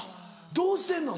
どうしてんの？